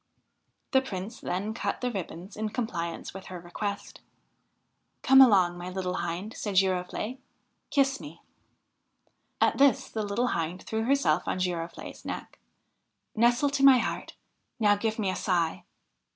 The Prince then cut the ribbons in compliance with her request. ' Come along, my little Hind,' said Girofle'e ;' kiss me I ' At this the little Hind threw herself on Girofle"e's neck. ' Nestle to my heart ! Now give me a sigh